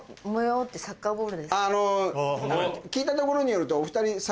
聞いたところによるとお２人。